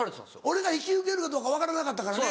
俺が引き受けるかどうか分からなかったからね